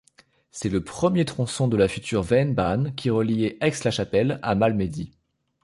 C'est le premier tronçon de la future Vennbahn qui reliait Aix-la-Chapelle à Malmedy.